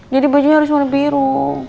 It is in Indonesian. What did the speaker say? jadi bajunya harus warna biru